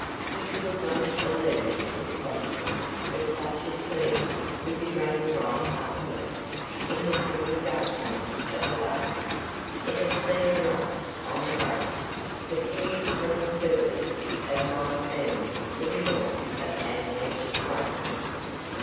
He would not have believed it possible that such a sea would be running right up here, in this little duck pond of a bay. It had seemed rough on the boat, but viewed from the surface, it might have been the middle of Atlantic wastes.